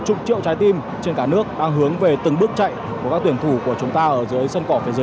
chục triệu trái tim trên cả nước đang hướng về từng bước chạy của các tuyển thủ của chúng ta ở dưới